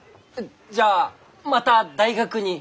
じゃあまた大学に？